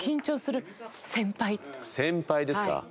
先輩ですか？